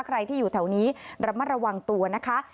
ใครที่อยู่แถวนี้ระมัดระวังตัวนะคะ